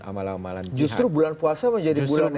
amalan amalan jihad justru bulan puasa